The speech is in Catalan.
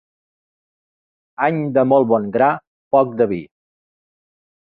Any de molt bon gra, poc de vi.